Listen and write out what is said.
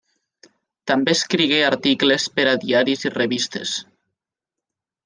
També escrigué articles per a diaris i revistes.